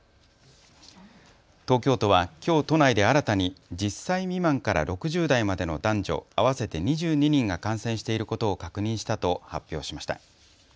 東京都はきょう都内で新たに１０歳未満から６０代までの男女合わせて２２人が感染していることを確認したと発表しました。